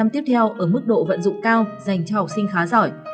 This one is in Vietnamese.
hai mươi tiếp theo ở mức độ vận dụng cao dành cho học sinh khá giỏi